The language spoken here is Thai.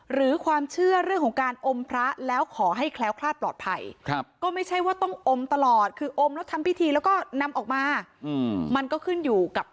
หรือความเชื่อเรื่องของการอมพระแล้วขอให้แคล้วคลาดปลอดภัย